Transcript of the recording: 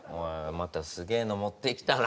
またすげえの持ってきたな